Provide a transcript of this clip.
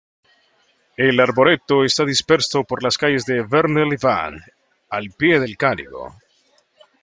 El arboreto está disperso por las calles de Vernet-les-Bains, al pie del Canigó.